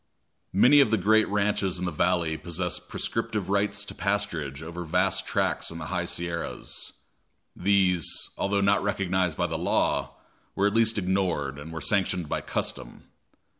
Many of the great ranches in the valley possessed prescriptive rights to pasturage over vast tracts in the high Sierras. These, although not recognized by the law, were at least ignored, and were sanctioned by custom.